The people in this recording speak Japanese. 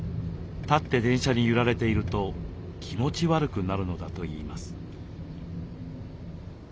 立って電車に揺られていると気持ち悪くなるのだといいます。